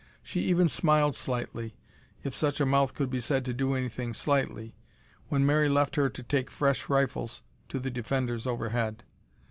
She even smiled slightly if such a mouth could be said to do anything slightly when Mary left her to take fresh rifles to the defenders overhead.